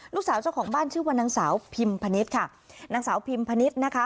เจ้าของบ้านชื่อว่านางสาวพิมพนิษฐ์ค่ะนางสาวพิมพนิษฐ์นะคะ